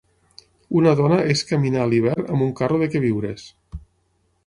Una dona és caminar a l'hivern amb un carro de queviures.